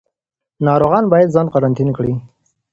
ناروغان باید ځان قرنطین کړي.